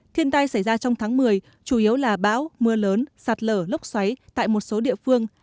thiên tai xảy ra trong tháng một mươi chủ yếu là bão mưa lớn sạt lở lốc xoáy tại một số địa phương